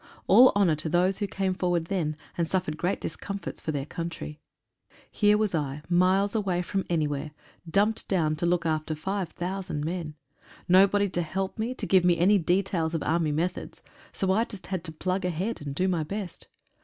All honour to those who came forward then and suffered great discom forts for their country. Here was I, miles away from anywhere, dumped down to look after 5,000 men. No tody to help me, to give me any details of army methods. So I just had to plug ahead, and do my best.